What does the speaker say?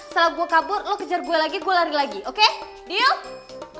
setelah gue kabur lo kejar gue lagi gue lari lagi oke di yuk